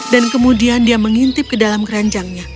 dan kemudian dia mengintip ke dalam keranjangnya